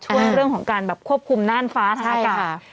ในเรื่องของการแบบควบคุมน่านฟ้าทางอากาศ